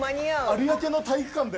有明の体育館で。